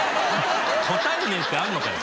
答えねえってあるのかよ。